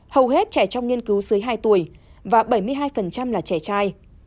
hầu hết trẻ trong nghiên cứu dưới hai tuổi và bảy mươi hai là trẻ trai